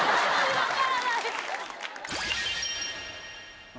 分からない。